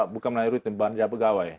bukan melalui rutin belanja pegawai